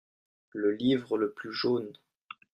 Le livre le plus jaune.